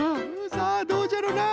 さあどうじゃろうな？